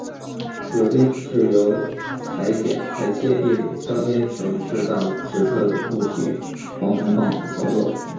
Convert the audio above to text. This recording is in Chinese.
铆钉是由裁切并削尖成适当尺寸的固体黄铜棒所做。